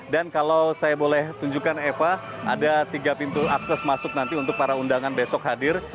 kalau saya boleh tunjukkan eva ada tiga pintu akses masuk nanti untuk para undangan besok hadir